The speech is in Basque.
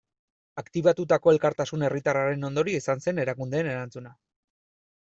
Aktibatutako elkartasun herritarraren ondorio izan zen erakundeen erantzuna.